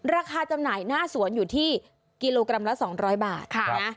จำหน่ายหน้าสวนอยู่ที่กิโลกรัมละ๒๐๐บาท